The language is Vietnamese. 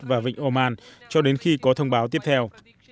và vịnh oman cho đến khi có thông báo tiếp theo